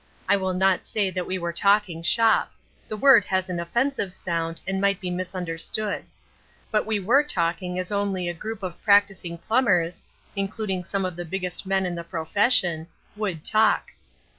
I will not say that we were talking shop; the word has an offensive sound and might be misunderstood. But we were talking as only a group of practising plumbers including some of the biggest men in the profession would talk.